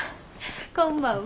こんばんは。